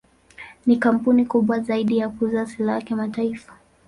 Ni kampuni kubwa zaidi ya kuuza silaha kimataifa.